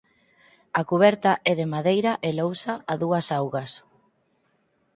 A cuberta é de madeira e lousa a dúas augas.